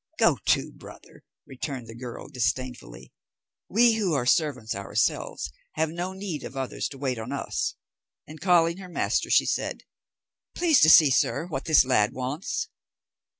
"Go to, brother," returned the girl disdainfully, "we who are servants ourselves have no need of others to wait on us;" and calling her master, she said, "Please to see, sir, what this lad wants."